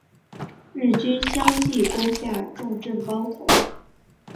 日军相继攻下重镇包头。